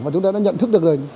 chúng tôi đã nhận thức được rồi